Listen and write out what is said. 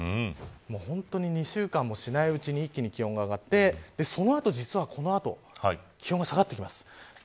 本当に２週間もしないうちに一気に気温が上がってそのあと実はこの後、気温が下がってきます。